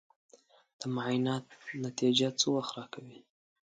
د معاینات نتیجه څه وخت راکوې؟